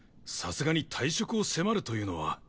さすがに退職を迫るというのは。